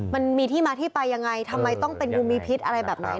มันมีที่มาที่ไปยังไงทำไมต้องเป็นงูมีพิษอะไรแบบนี้